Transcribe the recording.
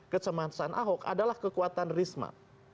kecemasan ahok adalah kekuatan risma